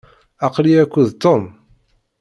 Aql-iyi akked Tom.